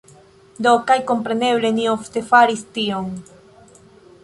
Do, kaj kompreneble, ni ofte faris tion.